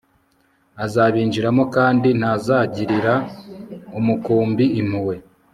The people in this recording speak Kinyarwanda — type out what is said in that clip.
azabinjiramo kandi ntazagirira umukumbi impuhwe